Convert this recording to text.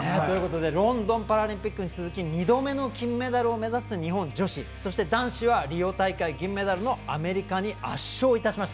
ロンドンパラリンピックに続き２度目の金メダルを目指す日本女子、そして男子はリオ大会、銀メダルのアメリカに圧勝いたしました。